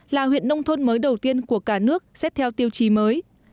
là huyện nông thôn mới đầu tiên của cả nước xét theo tiêu chí mới